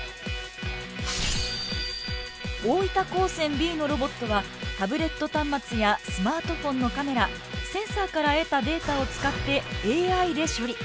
大分高専Ｂのロボットはタブレット端末やスマートフォンのカメラセンサーから得たデータを使ってＡＩで処理。